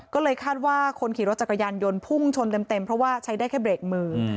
ก็เลยคาดว่าคนขี่รถจักรยานยนต์พุ่งชนเต็มเพราะว่าใช้ได้แค่เบรกมือ